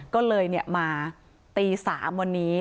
ก็เลยมาตี๓วันนี้